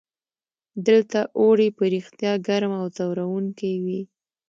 دلته اوړي په رښتیا ګرم او ځوروونکي وي.